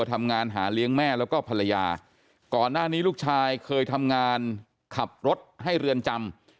ทำงานหาเลี้ยงแม่แล้วก็ภรรยาก่อนหน้านี้ลูกชายเคยทำงานขับรถให้เรือนจำ